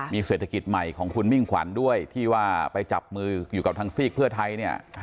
มีเศรษฐกิจใหม่ของคุณมิ่งขวัญด้วยที่ว่าไปจับมืออยู่กับทางซีกเพื่อไทยเนี่ย